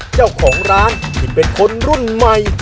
เจ้าของร้านที่เป็นคนรุ่นใหม่